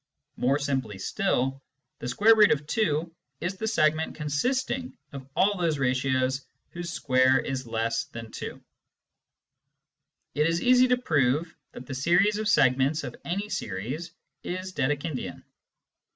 More simply still, V2 is the segment consisting of all those ratios whose square is less than 2. It is easy to prove that the series of segments of any series is Dedekindian.